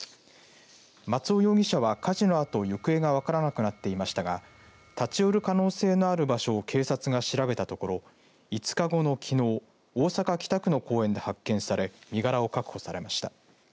松尾容疑者は火事のあと行方が分からなくなっていましたが立ち寄る可能性のある場所を警察が調べたところ５日後のきのう大阪、北区の公園で発見され身柄を確保されました。